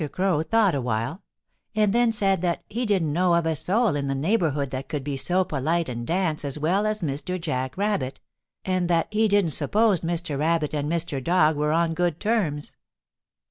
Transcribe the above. Crow thought a while, and then said that he didn't know of a soul in the neighborhood that could be so polite and dance as well as Mr. Jack Rabbit, and that he didn't suppose Mr. Rabbit and Mr. Dog were on good terms.